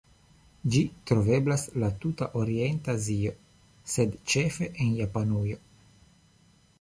Ĝi troveblas tra la tuta orienta Azio, sed ĉefe en Japanujo.